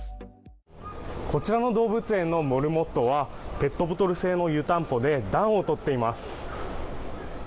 こちらの動物園のモルモットはペットボトル製の湯たんぽで暖を取っています。